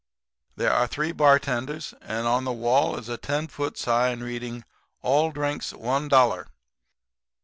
There are three bartenders; and on the wall is a ten foot sign reading: 'All Drinks One Dollar.'